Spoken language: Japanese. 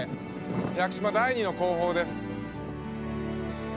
屋久島第２の高峰です。